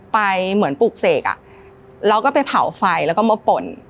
เหมือนปลูกเสกแล้วก็ไปเผาไฟแล้วก็มาป่น